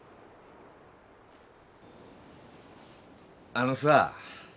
あのさ。